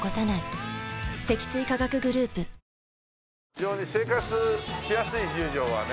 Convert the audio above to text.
非常に生活しやすい十条はね。